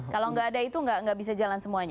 kalau nggak ada itu nggak bisa jalan semuanya